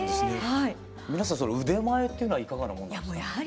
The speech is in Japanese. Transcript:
皆さん腕前っていうのはいかがなものなんですか？